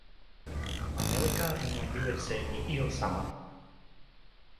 ma Mewika en ma Juwese li ijo sama.